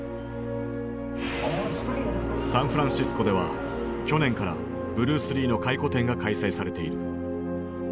サンフランシスコでは去年からブルース・リーの回顧展が開催されている。